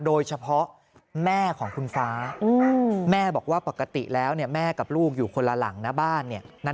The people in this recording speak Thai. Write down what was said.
แม่ของคุณฟ้าแม่บอกว่าปกติแล้วแม่กับลูกอยู่คนละหลังนะบ้านเนี่ย